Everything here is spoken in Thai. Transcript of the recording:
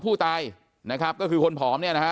อยู่ดีมาตายแบบเปลือยคาห้องน้ำได้ยังไง